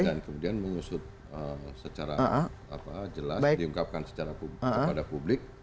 dan kemudian menyusut secara jelas diungkapkan secara kepada publik